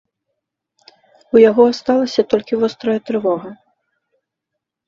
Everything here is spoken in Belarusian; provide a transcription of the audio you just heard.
У яго асталася толькі вострая трывога.